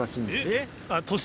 えっ！